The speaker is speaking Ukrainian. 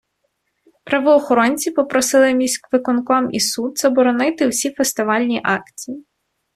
Правоохоронці попросили міськвиконком і суд заборонити усі фестивальні акції.